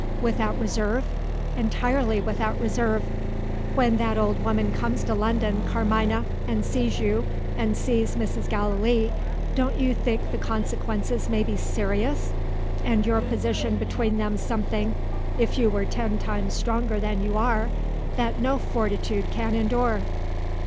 "Without reserve?" "Entirely without reserve." "When that old woman comes to London, Carmina and sees you, and sees Mrs. Gallilee don't you think the consequences may be serious? and your position between them something (if you were ten times stronger than you are) that no fortitude can endure?"